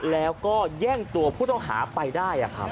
แล้วก็แย่งตัวผู้ต้องหาไปได้